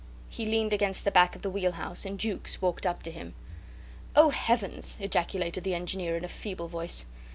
He leaned against the back of the wheelhouse, and Jukes walked up to him. "Oh, Heavens!" ejaculated the engineer in a feeble voice.